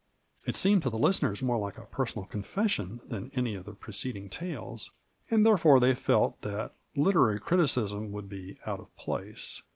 It seemed to the listeners more like a personal confession than any of the pro ceding tales, and therefore they felt that lit erary criticism would be out of place.